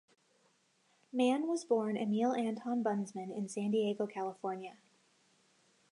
Mann was born Emil Anton Bundsmann in San Diego, California.